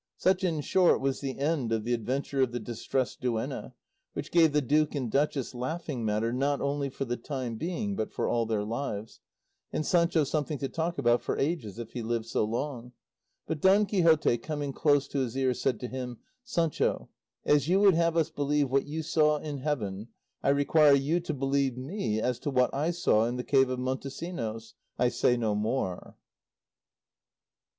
Such, in short, was the end of the adventure of the Distressed Duenna, which gave the duke and duchess laughing matter not only for the time being, but for all their lives, and Sancho something to talk about for ages, if he lived so long; but Don Quixote, coming close to his ear, said to him, "Sancho, as you would have us believe what you saw in heaven, I require you to believe me as to what I saw in the cave of Montesinos; I say no more."